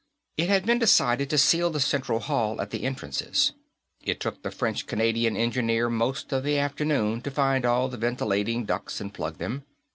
It had been decided to seal the central hall at the entrances. It took the French Canadian engineer most of the afternoon to find all the ventilation ducts and plug them.